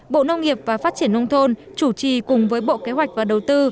bộ nông nghiệp và phát triển nông thôn chủ trì cùng với bộ kế hoạch và đầu tư